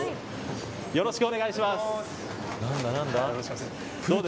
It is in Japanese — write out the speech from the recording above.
よろしくお願いします。